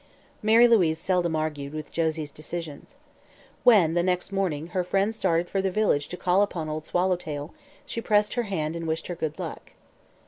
Mary Louise seldom argued with Josie's decisions. When, the next morning, her friend started for the village to call upon Old Swallowtail, she pressed her hand and wished her good luck.